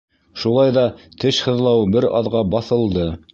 Шулай ҙа теш һыҙлауы бер аҙға баҫылды.